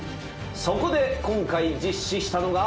そこで今回実施したのが。